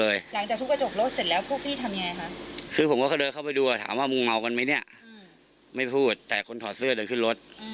แหละผู้พี่ทำไงค่ะคือผมก็ค่ะเดินเข้าไปดูถามว่ามังเมากันไหมเนี่ยไม่พูดแต่คนถอดเสื้อเดินขึ้นรถ